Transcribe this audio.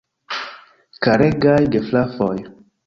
Karegaj gefrafoj!